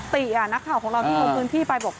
ตีอ่ะนักข่าวของเราที่พบกับพี่ไปบอก